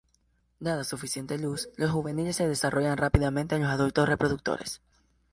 Dada suficiente luz, los juveniles se desarrollan rápidamente en adultos reproductores.